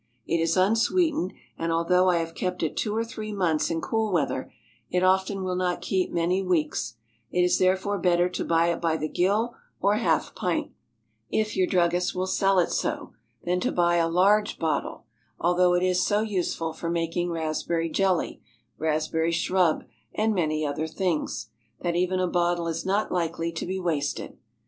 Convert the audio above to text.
It is unsweetened, and although I have kept it two or three months in cool weather, it often will not keep many weeks; it is therefore better to buy it by the gill or half pint, if your druggist will sell it so, than to buy a large bottle, although it is so useful for making raspberry jelly, raspberry shrub, and many other things, that even a bottle is not likely to be wasted.